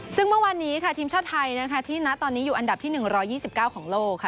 ซึ่งเมื่อวานนี้ค่ะทีมชาติไทยนะคะที่ณตอนนี้อยู่อันดับที่๑๒๙ของโลกค่ะ